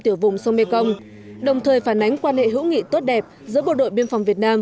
tiểu vùng sông mekong đồng thời phản ánh quan hệ hữu nghị tốt đẹp giữa bộ đội biên phòng việt nam